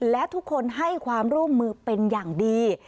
และทุกคนให้ความร่วมมือเป็นอย่างดี